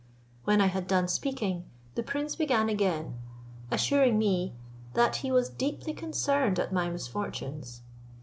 When I had done speaking, the prince began again, assuring me that he was deeply concerned at my misfortunes.